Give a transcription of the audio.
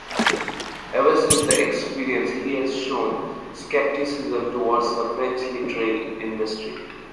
Ever since this experience, he has shown skepticism towards the French literary industry.